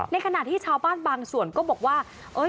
ในขณะที่ชาวบ้านบางส่วนก็บอกว่า